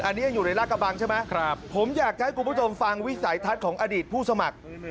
อันนี้ยังอยู่ในรากกระบังใช่ไหมผมอยากจะให้คุณผู้ชมฟังวิสัยทัศน์ของอดีตผู้สมัคร